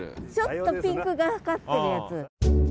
ちょっとピンクがかってるやつ。